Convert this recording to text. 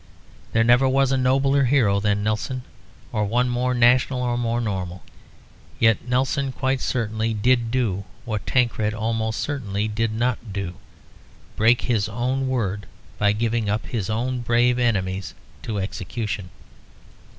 There never was a nobler hero than Nelson, or one more national or more normal. Yet Nelson quite certainly did do what Tancred almost certainly did not do; break his own word by giving up his own brave enemies to execution.